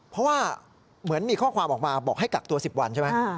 เพราะว่าเหมือนมีข้อความออกมาบอกให้กักตัว๑๐วันใช่ไหม